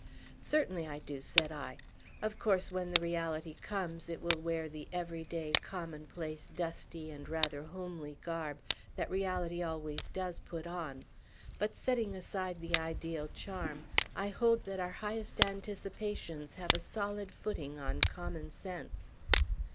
"Certainly I do," said I. "Of course, when the reality comes, it will wear the every day, commonplace, dusty, and rather homely garb that reality always does put on. But, setting aside the ideal charm, I hold that our highest anticipations have a solid footing on common sense."